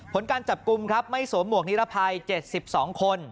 ผลการจับกลุ่มครับไม่สวมหวกนิรภัย๗๒คน